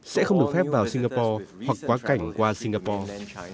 sẽ không được phép vào singapore hoặc quá cảnh qua singapore